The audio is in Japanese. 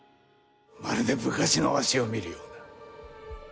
まるで昔のわしを見るような。